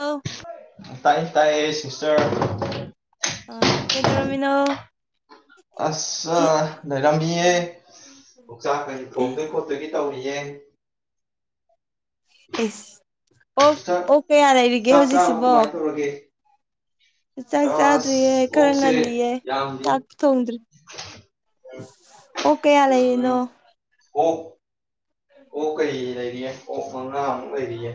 ꯑꯧ ꯇꯥꯏ ꯇꯥꯏ ꯁꯤꯁꯇꯔ ꯑ ꯀꯩ ꯇꯧꯔꯝꯃꯤꯅꯣ ꯑꯁ ꯂꯩꯔꯝꯃꯤꯌꯦ ꯑꯣꯛꯆꯥꯛ ꯀꯩ ꯊꯣꯡꯗꯣꯏ ꯈꯣꯠꯇꯣꯏꯒꯤ ꯇꯧꯔꯤꯌꯦ ꯏꯁ ꯑꯣꯛ ꯁꯤꯁꯇꯔ ꯑꯣꯛ ꯀꯌꯥ ꯂꯩꯔꯤꯒꯦ ꯆꯥꯛ ꯆꯥꯔꯕ ꯍꯧꯖꯤꯛꯁꯤꯕꯣ ꯀꯃꯥꯏꯅ ꯇꯧꯔꯒꯦ ꯆꯥꯛ ꯑꯁ ꯆꯥꯗ꯭ꯔꯤꯌꯦ ꯈꯔ ꯑꯣꯛꯁꯦ ꯉꯜꯂꯤꯌꯦ ꯌꯥꯝꯗꯤ ꯆꯥꯛ ꯊꯣꯡꯗ꯭ꯔꯤ ꯑꯣꯛ ꯀꯩꯌꯥ ꯎꯝ ꯂꯩꯔꯤꯅꯣ ꯑꯣꯛ ꯑꯣꯛ ꯀꯔꯤ ꯂꯩꯔꯤꯌꯦ ꯑꯣꯛ ꯃꯉꯥꯃꯨꯛ ꯂꯩꯔꯤꯌꯦ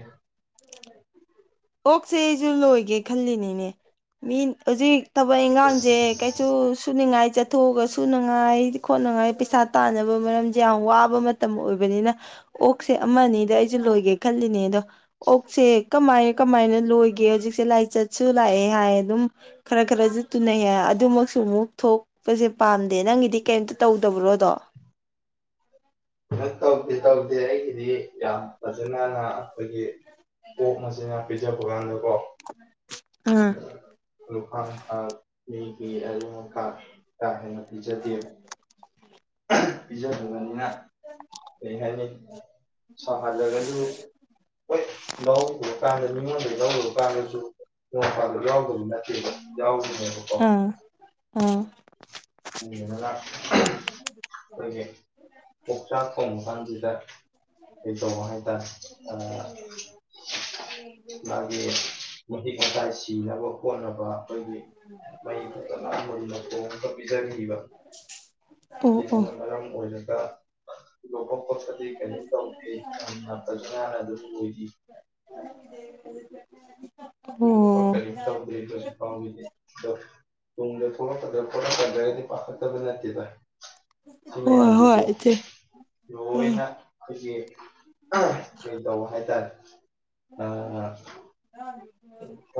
ꯑꯣꯛꯁꯦ ꯑꯩꯁꯨ ꯂꯣꯏꯒꯦ ꯈꯜꯂꯤꯅꯤꯅꯦ ꯃꯤ ꯍꯧꯖꯤꯛ ꯊꯕꯛ ꯏꯪꯒꯥꯡꯁꯦ ꯀꯩꯁꯨꯨ ꯑꯁ ꯁꯨꯅꯤꯡꯉꯥꯏ ꯆꯠꯊꯣꯛꯑꯒ ꯁꯨꯅꯉꯥꯏ ꯈꯣꯠꯅꯉꯥꯏ ꯄꯩꯁꯥ ꯇꯥꯟꯅꯕ ꯃꯔꯝꯁꯦ ꯌꯥꯝ ꯋꯥꯕ ꯃꯇꯝ ꯑꯣꯏꯕ ꯅꯤꯅ ꯑꯣꯛꯁꯦ ꯑꯃꯅꯤꯗ ꯑꯩꯁꯦ ꯂꯣꯏꯒꯦ ꯈꯜꯂꯤꯅꯦ ꯑꯗꯣ ꯑꯣꯛꯁꯦ ꯀꯃꯥꯏꯅ ꯀꯃꯥꯏꯅ ꯂꯣꯏꯒꯦ ꯍꯧꯖꯤꯛꯁꯦ ꯂꯥꯏꯆꯠꯁꯨ ꯂꯥꯛꯑꯦ ꯍꯥꯏ ꯑꯗꯨꯝ ꯈꯔ ꯈꯔꯁꯨ ꯇꯨꯅꯩ ꯍꯥꯏꯑꯗꯨꯃꯛ ꯁꯨꯃꯨꯛ ꯊꯣꯛꯄꯁꯦ ꯄꯥꯝꯗꯦ ꯅꯪꯒꯤꯗꯤ ꯀꯩꯝꯇ ꯇꯧꯗꯕ꯭ꯔꯣꯗꯣ [inaudible] ꯇꯧꯗꯦ ꯇꯧꯗꯦ ꯑꯩꯒꯤꯗꯤ ꯌꯥꯝ ꯐꯖꯅꯅ ꯑꯩꯈꯣꯏꯒꯤ [inaudible] ꯄꯤꯖꯕꯀꯥꯟꯗꯀꯣ ꯑꯥ ꯂꯨꯈꯥꯛ ꯅꯨꯡꯈꯥꯛ ꯃꯤ [unintelligible] ꯀꯥ ꯍꯦꯟꯅ ꯄꯤꯖꯗꯦ ꯄꯤꯖꯗꯕꯅꯤꯅ ꯀꯩ ꯍꯥꯢꯅꯤ ꯁꯥꯍꯜꯂꯒꯖꯨ ꯍꯣꯏ ꯂꯧꯔꯨꯕ ꯀꯥꯟꯗ ꯃꯤꯉꯣꯟꯗꯩ ꯂꯧꯔꯨꯕ ꯀꯥꯟꯗꯁꯨ ꯅꯣꯡ ꯐꯥꯗꯣꯛ ꯌꯥꯎꯗꯕ ꯅꯠꯇꯦ ꯌꯥꯎꯔꯤꯅꯦꯕꯀꯣ ꯑꯥ ꯑꯥ [unintelligible] ꯑꯩꯈꯣꯏꯒꯤ ꯑꯣꯞꯆꯥꯛ ꯊꯣꯡꯕꯀꯥꯟꯁꯤꯗ [unintelligible] ꯍꯥꯢꯇꯥꯔꯦ ꯑ ꯃꯥꯒꯤ ꯃꯍꯤꯛ ꯃꯇꯥꯏ ꯁꯤꯅꯕ ꯈꯣꯠꯅꯕ ꯑꯩꯈꯣꯏꯒꯤ ꯃꯩ ꯐꯖꯅ ꯃꯨꯟꯅ ꯊꯣꯡꯉꯒ ꯄꯤꯖꯕꯤꯕ ꯑꯣ ꯑꯣ ꯁꯤꯁꯤꯅ ꯃꯔꯝ ꯑꯣꯏꯔꯒ [unintelligible] ꯀꯔꯤꯝ ꯇꯧꯗꯦ [unintelligible] ꯑꯗꯨꯝ ꯂꯣꯢꯈꯤ [unintelligible] ꯊꯣꯢꯗꯣꯛꯄ ꯑꯣ ꯀꯔꯤꯝ ꯇꯧꯗꯦ ꯍꯧꯖꯤꯛꯐꯥꯎꯒꯤꯗꯤ ꯑꯗꯣ ꯇꯨꯡꯗ ꯊꯣꯛꯂꯛꯀꯗ ꯊꯣꯛꯂꯛ ꯀꯗ꯭ꯔꯥꯅ ꯗꯤ ꯄꯥꯈꯠꯇꯗ ꯅꯠꯇꯦꯗ ꯁꯤ ꯍꯣꯏ ꯍꯣꯏ ꯃꯌꯥꯝꯁꯦꯀꯣ ꯏꯆꯦ ꯎꯝ ꯂꯣꯏꯅ ꯑꯩꯈꯣꯏꯒꯤ ꯀꯩ ꯇꯧꯕ ꯍꯥꯏꯇꯥꯔꯦ ꯑꯥ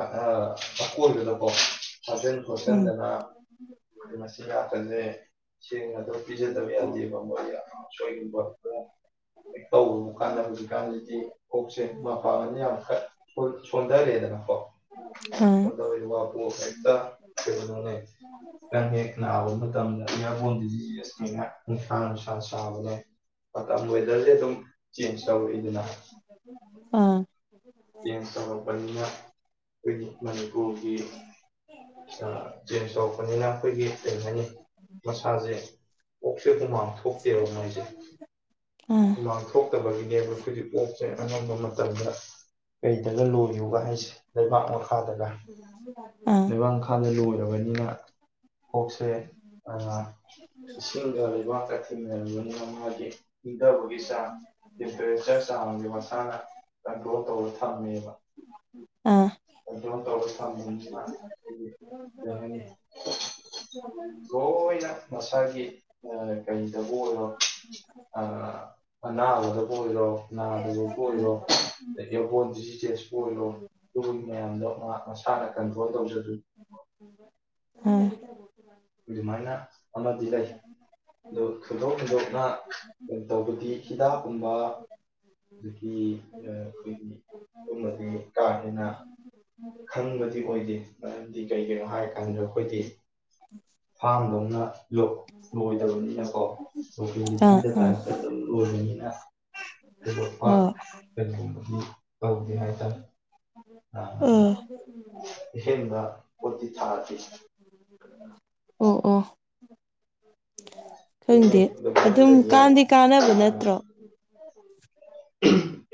ꯑꯥ ꯀꯣꯏꯕꯗꯀꯣ ꯈꯥꯖꯤꯟ ꯎꯝ ꯈꯣꯠꯆꯤꯟꯗꯅ ꯃꯆꯤꯟꯖꯥꯛꯀꯥꯁꯦ ꯁꯦꯡꯅ ꯑꯗꯨꯝ ꯄꯤꯖꯗꯕ ꯌꯥꯗꯦꯕ ꯃꯣꯏ [unintelligible] ꯍꯦꯛ ꯇꯧꯔꯨꯕꯀꯥꯟꯗ ꯍꯧꯖꯤꯛꯀꯥꯟꯖꯤ ꯑꯣꯛꯁꯦ ꯃꯄꯥꯡꯒꯜ ꯌꯥꯝ ꯀꯟ ꯁꯣꯟꯗꯔꯛꯑꯦꯗ ꯑꯪ ꯑꯣ ꯍꯦꯛꯇ ꯀꯩꯅꯣꯅꯦ ꯈꯤꯇꯡ ꯍꯦꯛ ꯅꯥꯕ ꯃꯇꯝꯗ ꯏꯌꯥꯕꯣꯟꯗꯤꯖꯤꯁ ꯅꯤꯅꯥ ꯅꯨꯡꯁꯥ ꯅꯨꯡꯁꯥ ꯁꯥꯕꯅꯦ ꯃꯇꯝ ꯋꯦꯗꯔꯁꯦ ꯑꯗꯨꯝ ꯆꯦꯟꯖ ꯇꯧꯋꯤꯗꯅ ꯑꯥ ꯆꯦꯟꯁ ꯇꯧꯔꯛꯄꯁꯤꯅ ꯈꯣꯢꯒꯤ ꯃꯅꯤꯄꯨꯔꯒꯤ ꯖꯤꯝ ꯇꯧꯔꯛꯄꯅꯤꯅ ꯑꯩꯈꯣꯏꯒꯤ ꯀꯩ ꯍꯥꯏꯅꯤ ꯃꯁꯥꯁꯦ ꯑꯣꯛꯁꯦ ꯍꯨꯃꯥꯡ ꯊꯣꯛꯇꯦꯕ ꯃꯣꯏꯁꯦ ꯑꯥ ꯍꯨꯃꯥꯡ ꯊꯣꯛꯇꯕꯒꯤꯅꯦꯕ ꯑꯩꯈꯣꯏꯒꯤ ꯑꯣꯛꯁꯦ ꯑꯅꯝꯕ ꯃꯇꯝꯗ ꯀꯩꯗꯒ ꯂꯣꯏꯌꯨꯒ ꯍꯥꯏꯁꯦ ꯂꯩꯕꯥꯛ ꯃꯈꯥꯗꯒ ꯑꯥ ꯍꯥꯟꯅ ꯂꯣꯏꯔꯕꯅꯤꯅ ꯑꯣꯛꯁꯦ ꯑꯥ ꯏꯁꯤꯡꯒ ꯂꯩꯕꯥꯛꯀ ꯊꯦꯡꯅꯔꯕꯅꯤꯅ ꯃꯥꯒꯤ ꯏꯪꯗꯕꯒꯤ ꯆꯥꯡ ꯇꯦꯝꯄꯔꯦꯆꯔ ꯆꯥꯡꯗꯣ ꯃꯁꯥꯅ ꯀꯟꯇ꯭ꯔꯣꯜ ꯇꯧꯔ ꯊꯝꯃꯦꯕ [inaudible] ꯀꯟꯇ꯭ꯔꯣꯜ ꯇꯧꯔꯒ ꯊꯝꯕꯅꯤꯅ ꯈꯣꯢꯒꯤ ꯀꯩ ꯍꯥꯢꯅꯤ ꯂꯣꯏꯅ ꯃꯁꯥꯒꯤ ꯀꯩꯗꯕꯨ ꯑꯣꯏꯔꯣ ꯑꯥ ꯑꯅꯥꯕꯗꯕꯨ ꯑꯣꯏꯔꯣ ꯅꯥꯗꯕꯕꯨ ꯑꯣꯏꯔꯣ ꯑꯦꯕꯣꯟ ꯗꯤꯖꯤꯖꯦꯂꯄꯨ ꯑꯣꯏꯔꯣ ꯑꯗꯨ ꯃꯌꯥꯝꯗꯣ ꯃꯥ ꯃꯁꯥꯅ ꯀꯟꯇ꯭ꯔꯣꯜ ꯇꯧꯖꯗꯣꯢ ꯑꯥ ꯑꯗꯨꯃꯥꯏꯅ ꯑꯃꯗꯤ ꯂꯩ ꯑꯗꯣ ꯊꯣꯏꯗꯣꯛ ꯍꯦꯟꯗꯣꯛꯅ ꯀꯩ ꯇꯧꯕꯗꯤ ꯍꯤꯗꯥꯛꯀꯨꯝꯕ ꯑꯗꯨꯗꯒꯤ ꯑꯥ ꯑꯩꯈꯣꯏꯒꯤ ꯐꯨꯝꯕꯗꯤ ꯀꯥ ꯍꯦꯟꯅ ꯈꯪꯕꯗꯤ ꯑꯣꯏꯗꯦ ꯃꯔꯝꯗꯤ ꯀꯩꯒꯤꯅꯣ ꯍꯥꯏꯔꯀꯥꯟꯗ ꯑꯩꯈꯣꯏꯗꯤ ꯐꯥꯝꯗꯧꯅ ꯂꯣ ꯂꯣꯏꯗꯕꯅꯤꯅꯀꯣ ꯑꯣꯊꯣꯔꯤꯇꯤ ꯑꯥ ꯇꯥꯏꯞꯇ ꯑꯗꯨꯝ ꯂꯣꯏꯕꯅꯤꯅ ꯊꯣꯏꯗꯣꯛꯄ ꯀꯔꯤꯒꯨꯝꯕꯗꯤ ꯇꯧꯗꯦ ꯍꯥꯏꯇꯥꯔꯦ ꯑꯥ ꯑꯍꯦꯟꯕ ꯄꯣꯠꯇꯤ ꯊꯥꯗꯦ ꯑꯣ ꯍ ꯑꯣ [inaudible] ꯈꯪꯗꯦ ꯑꯗꯨꯃꯥꯏꯅ ꯑꯗꯨꯝ ꯂꯩꯌꯦ ꯀꯥꯟꯅꯗꯤ ꯀꯥꯟꯅꯕ ꯅꯠꯇ꯭ꯔꯣ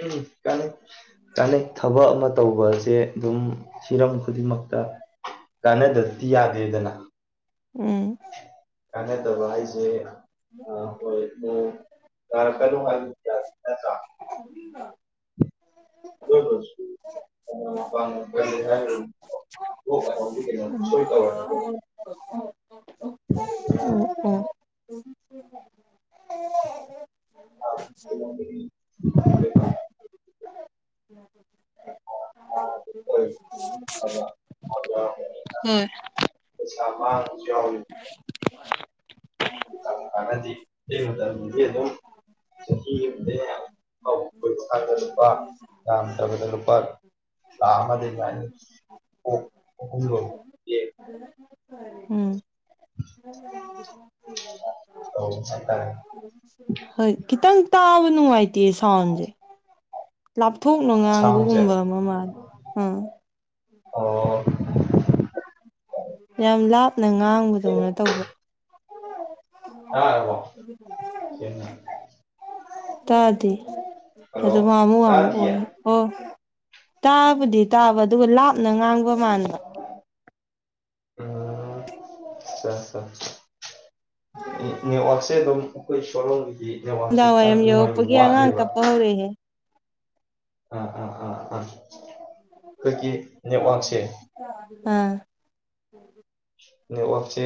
ꯎꯝ ꯀꯟꯅꯩ ꯀꯥꯟꯅꯩ ꯊꯕꯛ ꯑꯃ ꯇꯧꯕꯁꯦ ꯁꯦ ꯑꯗꯨꯝ ꯍꯤꯔꯝ ꯈꯨꯗꯤꯡꯃꯛꯇ ꯀꯥꯟꯅꯗꯗꯤ ꯌꯥꯗꯦꯗꯅ ꯎꯝ ꯀꯥꯟꯅꯗꯕ ꯍꯥꯏꯁꯦ ꯑꯥ ꯑꯣꯏ ꯑꯣꯏ ꯇꯔꯛꯀꯅꯨ ꯍꯥꯏꯕꯁꯨ ꯌꯥ ꯅꯠꯇ꯭ꯔꯥ ꯀ ꯍꯥꯏ [unintelligible] ꯂꯣꯛ ꯂꯥꯏꯍꯧꯗꯤ ꯀꯩꯅꯣ ꯁꯣꯏ ꯇꯧꯔꯗꯕꯅꯤ [unintelligible] ꯎꯝ [unintelligible] [unintelligible] ꯍꯣꯏ ꯄꯩꯁꯥ ꯃꯥꯡꯕꯁꯨ ꯌꯥꯎꯔꯤꯅꯦ ꯅꯗꯤꯗ ꯌꯦ ꯑꯗꯨꯣ [unintelligible] ꯆꯍꯤ ꯑꯃꯗꯤ [unintelligible] ꯂꯨꯄꯥ ꯌꯥꯝꯗ꯭ꯔꯕꯗ ꯂꯨꯄꯥ ꯂꯥꯛ ꯑꯃꯗꯤ [unintelligible] ꯃꯅꯤꯨꯝ ꯎꯝ ꯑꯣꯀ [unintelligible] ꯍꯣꯏ ꯈꯤꯇꯪ ꯇꯥꯕ ꯅꯨꯡꯉꯥꯏꯇꯦ ꯁꯥꯎꯟꯁꯦ ꯂꯥꯞꯊꯣꯛꯅ ꯁꯥꯎꯟꯁꯦ ꯉꯥꯡꯒꯒꯨꯝꯕ ꯑꯃ ꯃꯥꯜꯂꯦ ꯑꯥ ꯑꯣ ꯌꯥꯝ ꯂꯥꯞꯅ ꯉꯥꯡꯕꯗꯧꯅ ꯇꯧꯕ ꯇꯥꯔꯕꯣ [unintelligible] ꯇꯥꯗꯦ ꯍꯜꯂꯣ ꯑꯗꯨꯝ ꯍꯥꯃꯨ ꯍꯥꯃꯨ ꯇꯥꯗꯤꯌꯦ ꯑꯣꯏ ꯑꯣ ꯇꯥꯕꯨꯗꯤ ꯇꯥꯕ ꯑꯗꯨꯒ ꯂꯥꯞꯅ ꯉꯥꯡꯕ ꯃꯥꯟꯕ ꯎꯝ [unintelligible] ꯅꯦꯠ ꯋꯥꯔꯛꯁꯦ ꯑꯗꯨꯝ ꯑꯩꯈꯣꯏ ꯁꯣꯂꯣꯝꯒꯤꯗꯤ ꯅꯦꯠ ꯋꯥꯛꯁꯦ ꯅꯨꯡꯗꯥꯡ ꯈꯤꯇꯡ ꯋꯥꯏꯔꯝ ꯅꯨꯡꯉꯥꯏꯕ ꯌꯧꯔꯛꯄꯒꯤ ꯑꯉꯥꯡ ꯋꯥꯠꯂꯦꯕ ꯀꯞꯄ ꯍꯧꯔꯛꯑꯦꯍꯦ ꯑꯥ ꯑꯥ ꯑꯥ ꯑꯥ ꯑꯩꯈꯣꯏꯒꯤ ꯅꯦꯠꯋꯥꯛꯁꯦ ꯎꯝ ꯅꯦꯠꯋꯥꯛꯁꯦ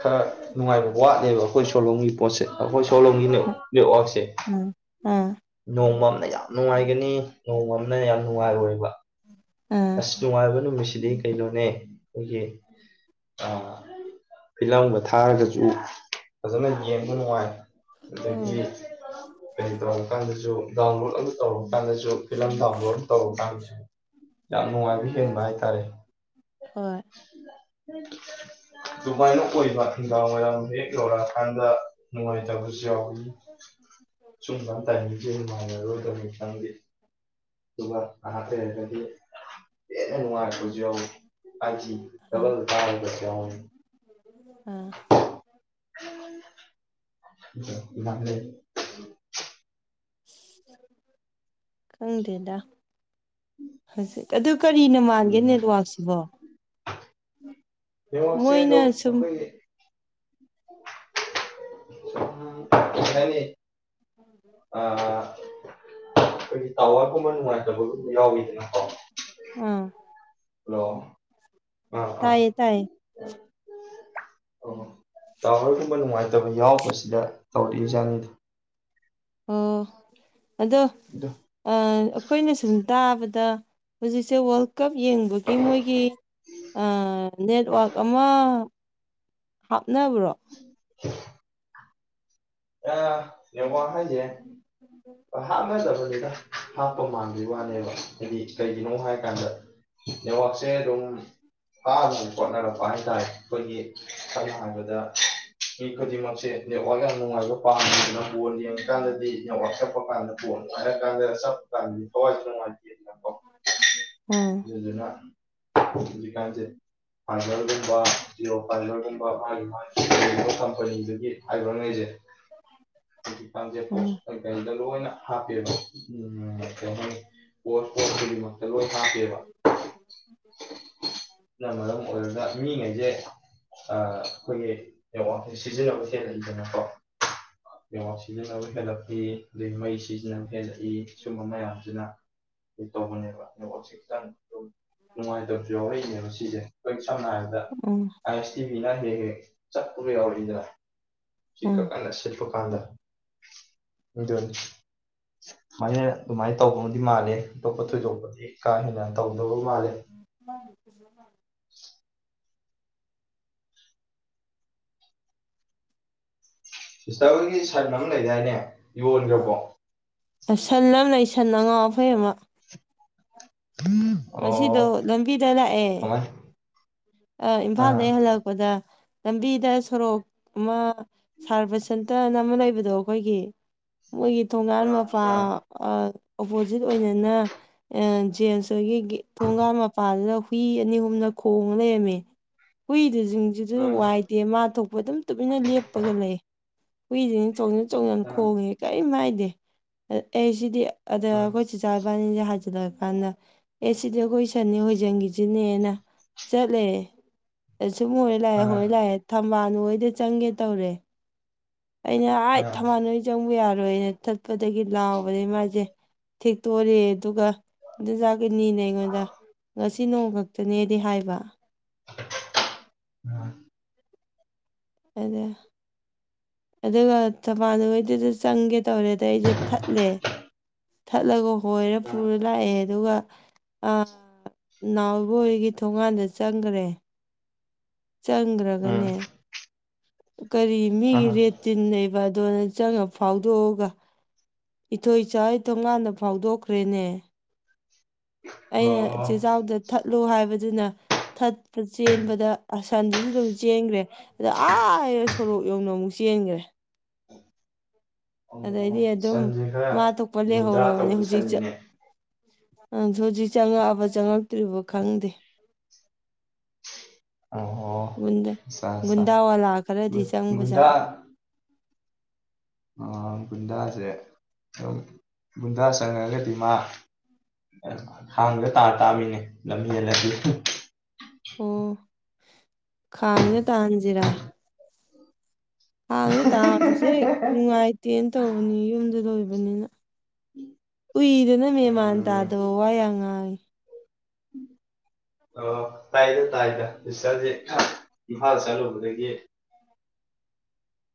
ꯈꯔ ꯅꯨꯡꯉꯥꯏꯕ ꯋꯥꯠꯂꯦꯕ ꯑꯩꯈꯣꯏ ꯁꯣꯂꯣꯝꯒꯤ ꯄꯣꯠꯁꯦ ꯑꯩꯈꯣꯏ ꯁꯣꯂꯣꯝꯒꯤ ꯅꯦꯠꯋꯥꯛꯁꯦ ꯑꯥ ꯑꯥ ꯅꯣꯡꯃ ꯑꯃꯅ ꯌꯥꯝ ꯅꯨꯡꯉꯥꯏꯒꯅꯤ ꯅꯣꯡꯃ ꯑꯃꯅ ꯌꯥꯝ ꯅꯨꯡꯉꯥꯏꯔꯣꯏꯕ ꯑꯥ ꯑꯁ ꯅꯨꯡꯉꯥꯏꯕ ꯅꯨꯃꯤꯠꯁꯤꯗꯤ ꯀꯩꯅꯣꯅꯦ ꯑꯩꯈꯣꯏꯒꯤ ꯑꯥ ꯐꯤꯂꯝꯒ ꯊꯥꯔꯒꯁꯨ ꯐꯖꯅ ꯌꯦꯡꯕ ꯅꯨꯡꯉꯥꯏ ꯑꯣ ꯑꯗꯒꯤ ꯀꯔꯤ ꯇꯧ ꯁꯨ ꯗꯥꯎꯟꯂꯣꯗ ꯑꯃ ꯇꯧꯔ ꯀꯥꯟꯗꯁꯨ ꯐꯤꯂꯝ ꯗꯥꯎꯟꯂꯣꯗ ꯇꯧꯔ ꯀꯥꯟꯗꯁꯨ ꯌꯥꯝ ꯅꯨꯡꯉꯥꯏꯕ ꯍꯦꯟꯕ ꯍꯥꯏꯇꯥꯔꯦ ꯍꯣꯏ ꯍ [inaudible] ꯑꯗꯨꯃꯥꯏꯅ ꯑꯣꯏꯕ ꯅꯨꯡꯗꯥꯡ ꯋꯥꯏꯔꯝ ꯍꯦꯛ ꯌꯧꯔꯛꯑꯀꯥꯟꯗ ꯅꯨꯡꯉꯥꯏꯇꯕꯁ [unintelligible] ꯁꯨꯝꯀꯥꯟ ꯇꯥꯏꯃꯤꯡꯁꯦ ꯅꯨꯉꯥꯔꯔꯣꯏꯗꯕꯅꯦ ꯈꯤꯇꯪꯗꯤ ꯑꯗꯨꯒ ꯉꯥꯏꯍꯥꯛ ꯂꯩꯔꯒꯗꯤ ꯍꯦꯟꯅ ꯅꯨꯉꯏꯔꯛꯄꯖꯨ ꯌꯎꯋꯤ ꯐꯏꯞꯖꯤ ꯑꯥ ꯗꯕꯜꯀꯥꯕ ꯒꯖꯨ ꯌꯥꯎꯕꯅꯤ ꯑꯥ ꯃꯥꯦ [unintelligible] ꯈꯪꯗꯦꯗ ꯍꯧꯖꯤꯛ ꯑꯗꯨ ꯀꯔꯤꯅ ꯃꯥꯟꯒꯦꯅꯦ ꯎꯝ ꯂꯨꯋꯥꯛꯁꯤꯕꯣ ꯅꯦꯠꯋꯛꯁꯦ ꯑꯗꯨ ꯑꯩꯈꯣꯏ [unintelligible] ꯇꯋꯔ ꯀꯨꯝꯕ ꯅꯨꯡꯉꯥꯏꯇꯕꯒ ꯌꯥꯎꯋꯤꯗꯅ ꯎꯝ ꯍꯜꯂꯣ ꯑꯥ ꯑꯥ ꯇꯥꯏꯌꯦ ꯇꯥꯏꯌꯦ ꯇꯧꯋꯔꯒꯨꯝꯕ ꯅꯨꯡꯉꯥꯏꯇꯕ ꯌꯥꯎꯕꯁꯤꯗ ꯇꯧꯔꯛꯏ ꯖꯠꯅꯤꯗ ꯑꯣ ꯑꯗꯣ ꯑꯗꯨ ꯑꯩꯈꯣꯏꯅ ꯁꯨꯝ ꯇꯥꯕꯗ ꯍꯧꯖꯤꯛꯁꯦ ꯋꯥꯔꯜ ꯀꯞ ꯌꯦꯡꯕꯒꯤ ꯃꯣꯏꯒꯤ ꯅꯦꯠꯋꯛ ꯑꯃ ꯍꯥꯞꯅꯕ꯭ꯔꯣ ꯑ ꯅꯦꯠꯋꯥꯛ ꯍꯥꯏꯁꯦ ꯎꯝ [inaudible] ꯍꯥꯞꯅꯗꯕꯅꯤꯗ ꯍꯥꯞꯄꯃꯟꯕꯩ ꯋꯥꯅꯦꯕ ꯍꯥꯏꯗꯤ ꯀꯩꯒꯤꯅꯣ ꯍꯥꯏꯀꯥꯟꯗ ꯅꯦꯠꯋꯥꯛꯁꯦ ꯑꯗꯨꯝ ꯊꯥꯅ ꯍꯣꯠꯅꯔꯛꯄ ꯍꯥꯏ ꯍꯥꯏ ꯇꯔꯦ ꯑꯩꯈꯣꯏꯒꯤ ꯁꯝꯅ ꯍꯥꯏꯔꯕꯗ [inaudible] ꯃꯤ ꯈꯨꯗꯤꯡꯃꯛꯁꯦ ꯅꯦꯠꯋꯥꯛ ꯌꯥꯝ ꯅꯨꯡꯉꯥꯏꯕ ꯄꯥꯝꯃꯤ ꯕꯣꯜ ꯌꯦꯡꯉꯀꯥꯟꯗꯗꯤ ꯅꯦꯠꯋꯥꯛꯁꯦ ꯄ꯭ꯔꯣꯐꯥꯜꯅ ꯀꯣꯟ ꯀꯥꯟꯗ ꯆꯞꯄꯀꯥꯟꯗꯗꯤ ꯊꯋꯥꯏꯁꯦ ꯅꯨꯡꯉꯥꯏ ꯇꯦꯗꯅꯥꯀꯣ ꯎꯝ ꯑꯗꯨꯗꯅ ꯍꯧꯖꯤꯀꯥꯟꯁꯦ ꯐꯏꯕꯔꯒꯨꯝꯕ ꯖꯤꯑꯣ ꯐꯥꯏꯕꯔꯒꯨꯝꯕ ꯃꯥꯒꯤ ꯃꯥ ꯀꯩꯅꯣ ꯀꯝꯄꯅꯤꯗꯨꯒꯤ ꯍꯥꯏꯈ꯭ꯔꯣ ꯉꯁꯦ ꯍꯧ ꯎꯝ ꯀ [unintelligible] ꯂꯣꯏꯅ ꯍꯥꯞꯄꯦꯕ [unintelligible] ꯑꯗꯨꯅ ꯃꯔꯝ ꯑꯣꯏꯔꯒ ꯃꯤꯉꯩꯁꯦ ꯑꯩꯈꯣꯏꯒꯤ ꯅꯦꯠꯋꯛꯁꯦ ꯁꯤꯖꯤꯟꯅꯕ ꯍꯦꯜꯂꯛꯏꯗꯅꯀꯣ ꯅꯦꯠꯋꯛ ꯁꯤꯖꯤꯟꯅꯕ ꯍꯦꯜꯂꯛꯏ ꯑꯗꯩ ꯃꯩ ꯁꯤꯖꯤꯟꯅꯕ ꯍꯦꯜꯂꯛꯏ ꯁꯨꯝꯕ ꯃꯌꯥꯝꯁꯤꯅ ꯇꯧꯕꯅꯦꯕ ꯅꯦꯠꯋꯛꯁꯦ ꯈꯤꯇꯪ ꯅꯨꯡꯉꯥꯏꯇꯕꯁꯨ ꯌꯎꯔꯛꯏꯅꯦꯕ ꯁꯤꯁꯦ ꯑꯩꯈꯣꯏ ꯁꯝꯅ ꯍꯥꯏꯔꯕꯗ ꯎꯝ ꯑꯥꯏ ꯑꯦꯁ ꯇꯤ ꯚꯤꯅ ꯍꯦꯛ ꯍꯦꯛ ꯆꯞꯄꯒ ꯌꯥꯎꯔꯛꯏꯗꯅ ꯎꯝ ꯁꯤꯀꯛꯀꯟꯅꯁꯤꯜ ꯄꯀꯥꯟꯗ ꯑꯗꯨꯅꯤ ꯁꯨꯃꯥꯏꯅ ꯑꯗꯨꯃꯥꯏꯅ ꯇꯧꯗꯧꯗꯤ ꯃꯥꯜꯂꯦ ꯇꯣꯄ ꯊꯣꯏꯗꯣꯛꯄꯗꯤ ꯀꯥ ꯍꯦꯟꯅ ꯇꯧꯗꯕ ꯃꯥꯜꯂꯦ ꯁꯤꯁꯇꯔ ꯍꯣꯏꯒꯤ ꯁꯟ ꯑꯃ ꯂꯩꯗꯥꯏꯅꯦ ꯌꯣꯟꯒ꯭ꯔꯕꯣ ꯁꯟ ꯑꯃ ꯂꯩ ꯁꯟ ꯑꯉꯥꯎ ꯑꯐꯩ ꯑꯃ ꯑꯣ ꯉꯁꯤꯗꯣ ꯂꯝꯕꯤꯗ ꯂꯥꯛꯑꯦ ꯀꯃꯥꯏ ꯑ ꯑꯥ ꯏꯝꯐꯥꯜꯗꯩ ꯍꯜꯂꯛꯄꯗ ꯂꯝꯕꯤꯗ ꯁꯣꯔꯣꯛ ꯑꯃ ꯁꯥꯔ ꯕꯁꯟꯇꯅꯥ ꯑꯃ ꯂꯩꯕꯗꯣ ꯑꯩꯈꯣꯏꯒꯤ ꯃꯣꯏꯒꯤ ꯊꯣꯡꯉꯟ ꯑꯥ ꯃꯄꯥ ꯑꯥ ꯑꯣꯄꯣꯖꯤꯠ ꯑꯣꯏꯅꯅ ꯖꯦꯝꯁ ꯑꯗꯨꯗꯨꯒꯤ ꯊꯣꯡꯒꯟ ꯃꯄꯥꯗꯨꯗ ꯍꯨꯏ ꯑꯅꯤ ꯑꯍꯨꯝꯅ ꯈꯣꯡꯉ ꯂꯩꯔꯝꯃꯦ ꯍꯨꯏꯗꯨꯁꯨ ꯁꯤꯡꯁꯤꯗꯨꯁꯨ ꯎꯝ ꯋꯥꯏꯗꯦ ꯃꯥ ꯊꯣꯛꯄ ꯑꯗꯨꯝ ꯇꯨꯃꯤꯟꯅ ꯂꯦꯞꯄꯒ ꯂꯩ ꯍꯨꯏꯁꯤꯡꯅ ꯆꯣꯡꯁꯤꯟ ꯎꯝ ꯈꯣꯡꯉ ꯀꯩꯝ ꯍꯥꯏꯗꯦ ꯑꯦ ꯁꯤꯗꯤ ꯑꯗ ꯎꯝ ꯑꯩꯈꯣꯏ ꯆꯥꯆꯥ ꯏꯕꯥꯅꯤꯁꯦ ꯍꯥꯏꯖꯤꯜꯂꯛ ꯑꯀꯥꯟꯗ ꯑꯦ ꯁꯤꯗꯤ ꯑꯩꯈꯣꯏ ꯁꯟꯅꯦ ꯍꯣꯏꯖꯟꯈꯤꯁꯤꯅꯦꯅ ꯆꯠꯂꯦ ꯁꯨꯝ ꯍꯣꯏꯔꯥ ꯂꯥꯛꯑꯦ ꯑꯥ ꯍꯣꯏꯔ ꯂꯥꯛꯑꯦ ꯊꯝꯕꯥꯜ ꯅꯣꯏꯗ ꯆꯪꯒꯦ ꯇꯧꯔꯦ ꯑꯩꯅ ꯑꯥ ꯍꯥꯏꯠ ꯑꯥ ꯊꯝꯕꯥꯜꯅꯨ ꯍꯣꯏ ꯆꯪꯕ ꯌꯥꯔꯣꯏꯅ ꯊꯠꯄꯗꯒꯤ ꯂꯥꯎꯕꯗꯩ ꯃꯥꯖꯦ ꯊꯦꯛꯇꯣꯔꯦ ꯑꯗꯨꯒ ꯢꯗꯣꯆꯥ ꯒꯤꯅꯤꯅꯦ ꯑꯩꯉꯣꯟꯗ ꯉꯁꯤ ꯅꯣꯡ ꯈꯛꯇꯅꯦꯗꯤ ꯍꯥꯏꯕ ꯎꯝ ꯑꯗ ꯑꯗꯨꯒ ꯊꯕꯥꯥꯟꯅꯨ ꯍꯣꯢꯗꯖꯨ ꯆꯪꯒꯦ ꯇꯧꯔꯦ ꯗꯩ ꯑꯩꯖꯦ ꯊꯠꯂꯦ ꯊꯠꯂꯒ ꯍꯣꯏꯔꯥ ꯄꯨꯔꯥ ꯂꯥꯛꯑꯦ ꯑꯗꯨꯒ ꯑ ꯅꯥꯎꯕ ꯍꯣꯏꯒꯤ ꯊꯣꯡꯒꯥꯟꯗ ꯆꯪꯒ꯭ꯔꯦ ꯎꯝ ꯆꯪꯒ꯭ꯔꯒꯅꯦ ꯀꯔꯤ ꯎꯝ ꯃꯤꯒꯤ ꯑꯥ ꯔꯦ ꯇꯤꯟ ꯂꯩꯕ ꯗꯨꯗ ꯆꯪꯉꯥ ꯐꯥꯎꯗꯣꯛꯑꯒ ꯏꯊꯣꯏꯆꯥ ꯍꯣꯏ ꯊꯣꯡꯒꯥꯟꯗ ꯐꯥꯎꯗꯣꯛꯈ꯭ꯔꯦꯅꯦ ꯑꯩꯅ ꯑꯣ ꯆꯦꯆꯥꯎꯗ ꯊꯠ ꯂꯣ ꯍꯥꯏꯕꯗꯨꯅ ꯊꯠꯄ ꯆꯦꯟꯕꯗ ꯑꯁꯟꯗꯨꯖꯨ ꯑꯗꯨꯝ ꯆꯦꯟꯒ꯭ꯔꯦ ꯑꯗ ꯑꯥ ꯁꯣꯔꯣꯛ ꯌꯧꯅ ꯑꯃꯨꯛ ꯆꯦꯟꯒ꯭ꯔꯦ ꯑꯣ ꯑꯗꯩꯗꯤ ꯑꯗꯨꯝ ꯁꯟꯁꯦ ꯈꯔ ꯃꯥ ꯊꯣꯛꯄ ꯒꯨꯟꯗꯥ ꯂꯩꯍꯧꯔꯕꯅꯦ ꯇꯧꯕ ꯍꯧꯖꯤꯛ ꯆ ꯁꯟꯅꯤꯅꯦ ꯑ ꯍꯧꯖꯤꯛ ꯆꯪꯉꯛꯑꯕ ꯆꯪꯉꯛꯇ꯭ꯔꯤꯕ ꯈꯪꯗꯦ ꯑꯣ ꯒꯨꯟꯗ ꯑꯠꯆꯥ ꯑꯠꯆꯥ ꯒꯨꯟꯗꯥꯋꯥꯂꯥ ꯈꯔꯗꯤ ꯒꯨꯟꯗꯥ ꯆꯪꯕꯖꯥꯠꯅꯦ ꯑ ꯒꯨꯟꯗꯥꯖꯦ ꯑ ꯒꯨꯟꯗꯥ ꯆꯪꯉꯛꯑꯒꯗꯤ ꯃꯥ ꯑ ꯈꯥꯡꯗ ꯇꯥ ꯇꯥꯝꯅꯤꯅꯦ ꯂꯝ ꯍꯦꯜꯂꯗꯤ ꯑꯣ ꯈꯥꯡꯗ ꯇꯥꯍꯟꯖꯤꯔꯥ ꯈꯥꯡꯗ ꯇꯥꯕꯖꯦ ꯅꯨꯡꯉꯥꯏꯇꯦꯅ ꯇꯧꯕꯅꯦ ꯌꯨꯝꯗ ꯂꯣꯏꯕꯅꯤꯅ ꯎꯏꯗꯅ ꯃꯦꯟꯃꯥꯟ ꯎꯝ ꯇꯥꯗꯕ ꯋꯥ ꯌꯥꯝ ꯉꯥꯡꯉꯦ ꯑꯣ ꯇꯥꯏꯗ ꯇꯥꯏꯗ ꯁꯤꯁꯇꯔꯖꯦ ꯏꯝꯐꯥꯜ ꯆꯠꯂꯨꯕꯗꯒꯤ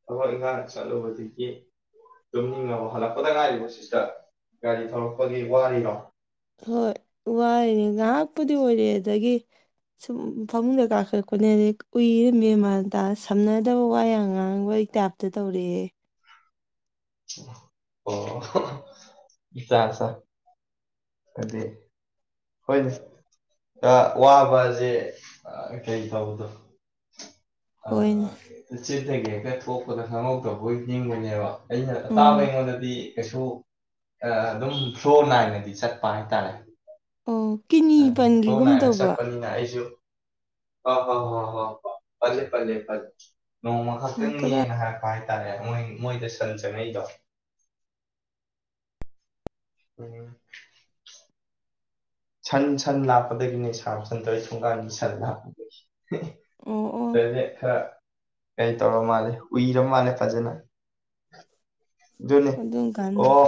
ꯊꯕꯛ ꯏꯪꯈꯥꯡ ꯆꯠꯂꯨꯕꯗꯒꯤ ꯇꯨꯝꯅꯤꯡꯉꯕꯣ ꯍꯜꯂꯛꯄꯗ ꯉꯥꯏꯔꯤꯕꯣ ꯁꯤꯁꯇꯔ ꯒꯥꯔꯤ ꯊꯧꯔꯛꯄꯒꯤ ꯋꯥꯔꯤꯔꯣ ꯍꯣꯏ ꯋꯥꯔꯤꯅꯦ ꯉꯥꯍꯥꯛꯄꯨꯗꯤ ꯑꯣꯏꯔꯦ ꯑꯗꯒꯤ ꯁꯨꯝ ꯐꯃꯨꯡꯗ ꯀꯥꯈꯠꯂꯛꯄꯅꯦ ꯑꯗꯩ ꯎꯏꯔ ꯃꯦꯟꯃꯥꯟ ꯇ ꯁꯝꯅꯗꯕ ꯋꯥ ꯌꯥꯝ ꯉꯥꯡꯕꯩ ꯇꯥꯢꯞꯇ ꯇꯧꯔꯦ ꯑꯩ ꯑꯣ ꯍꯣ ꯑꯆꯥꯆꯥ ꯑꯗꯩ ꯍꯣꯏꯗ ꯑ ꯋꯥꯕꯖꯦ ꯑ ꯀꯩ ꯇꯧꯕꯗꯣ ꯑ ꯍꯣꯏꯅꯦ ꯆꯤꯟꯗꯒꯤ ꯍꯦꯛꯇ ꯊꯣꯛꯄꯗ ꯈꯪꯍꯧꯗ꯭ꯔꯕꯣꯏ ꯅꯤꯡꯕꯅꯦꯕ ꯑꯩꯅ ꯎꯝ ꯑꯇꯥꯕ ꯑꯩꯉꯣꯟꯗꯗꯤ ꯀꯩꯁꯨ ꯑꯗꯨꯝ ꯑ ꯐ꯭ꯂꯣ ꯅꯥꯏꯅꯗꯤ ꯆꯠ ꯄꯥ ꯍꯥꯢꯇꯥꯔꯦ ꯑꯣ ꯀꯤꯅꯤ ꯑꯝ ꯐ꯭ꯂꯣ ꯄꯟꯈꯤꯒꯨꯝ ꯅꯥꯏꯅ ꯇꯧꯕ ꯆꯠꯄꯅꯤꯅ ꯑꯩꯖꯨ ꯑ ꯍ ꯍ ꯍ ꯍ ꯐꯂꯦ ꯐꯂꯦ ꯐꯂꯦ ꯅꯣꯡꯃ ꯎꯝ ꯀꯗꯥꯏ ꯈꯛꯇꯪꯅꯤꯅ ꯍꯥꯏꯔꯛꯄ ꯍꯥꯏ ꯇꯥꯔꯦ ꯃꯣꯢ ꯃꯣꯏꯗ ꯁꯟ ꯆꯪꯉꯛꯏꯗꯣ ꯎꯝ ꯁꯟ ꯁꯟ ꯂꯥꯛꯄꯗꯒꯤꯅꯦ ꯁꯥꯕ ꯁꯟꯗꯔ ꯍꯣꯢ ꯊꯣꯡꯒꯥꯟꯒꯤ ꯁꯟ ꯂꯥꯛꯄꯗꯒꯤ ꯍꯦ ꯑꯣ ꯑꯣ ꯑꯗꯨꯗ ꯈꯔ ꯀꯩ ꯇꯧꯔꯥ ꯃꯥꯜꯂꯦ ꯎꯏꯔ ꯃꯥꯜꯂꯦ ꯐꯖꯅ ꯗꯨꯅꯦ ꯑꯗꯨꯝ ꯀꯥꯟꯗ ꯑꯣ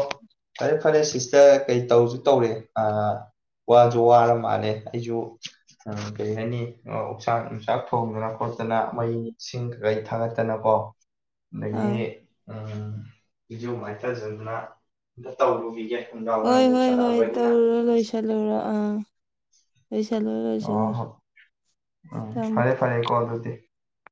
ꯐꯔꯦ ꯐ ꯐꯔꯦ ꯁꯤꯁꯇꯔ ꯀꯩ ꯇꯧꯖꯨ ꯇꯧꯔꯦ ꯑ ꯋꯥꯖꯨ ꯋꯥꯔ ꯃꯥꯟꯅꯦ ꯑꯩꯖꯨ ꯎ ꯀꯔꯤ ꯍꯥꯏꯅꯤ ꯎꯛꯆꯥꯛ ꯅꯨꯡꯆꯥꯛ ꯊꯣꯡꯗꯅ ꯈꯣꯠꯇꯅ ꯃꯩꯁꯤꯡ ꯀꯩꯀꯩ ꯊꯥꯒꯠꯇꯅꯀꯣ ꯍꯣ ꯗꯒꯤ ꯑꯥ ꯑꯝ ꯏꯔꯨ ꯃꯥꯏꯊꯖꯗꯅ ꯑꯝꯇ ꯇꯧꯔꯨꯈꯤꯒꯦ ꯅꯨꯡꯗꯥꯡ ꯋꯥꯏꯔꯝ ꯍꯣꯏ ꯍꯣꯏ ꯍꯣꯏ ꯌꯧꯁꯜꯂꯛꯑꯕꯅꯤꯅ ꯇꯧꯔꯨꯔꯣ ꯂꯣꯏꯁꯤꯜꯂꯨꯔꯣ ꯑꯥ ꯂꯣꯢꯁꯜꯂꯨꯔꯣ ꯑꯣ ꯂꯣꯢꯁꯜꯂꯨꯔꯣ ꯍꯣ ꯎꯝ ꯊꯝ ꯐꯔꯦ ꯐꯔꯦꯀꯣ ꯑꯗꯨꯗꯤ